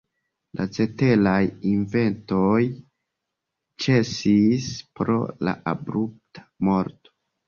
La ceteraj inventoj ĉesis pro la abrupta morto.